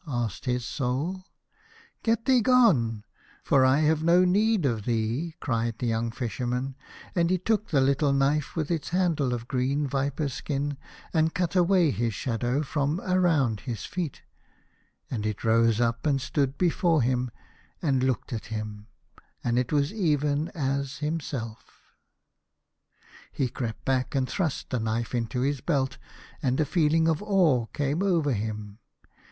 asked his Soul. " Get thee gone, for I have no need of thee," cried the young Fisherman, and he took the little knife with its handle of green viper's skin, and cut away his shadow from around his feet, and it rose up and stood before him, and looked at him, and it was even as himself. 84 The Fisherman and his Soul. He crept back, and thrust the knife into his belt, and a feeling of awe came over him.